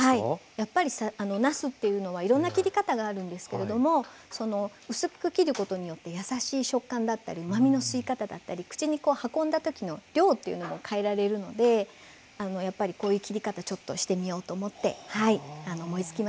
やっぱりなすっていうのはいろんな切り方があるんですけれども薄く切ることによってやさしい食感だったりうまみの吸い方だったり口に運んだ時の量っていうのも変えられるのでこういう切り方してみようと思って思いつきました。